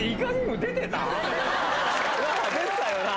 出てたよなぁ？